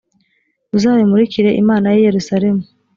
uzabimurikire imana y’i yerusalemu